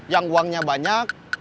yang uangnya banyak